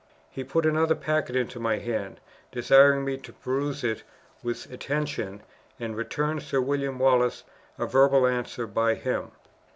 He put another packet into my hand, desiring me to peruse it with attention, and return Sir William Wallace a verbal answer by him.